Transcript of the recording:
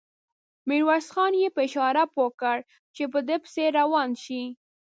ميرويس خان يې په اشاره پوه کړ چې په ده پسې روان شي.